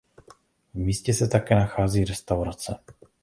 V místě se také nachází restaurace.